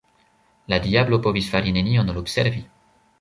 La diablo povis fari nenion ol observi.